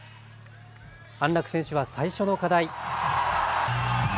安楽選手は最初の課題。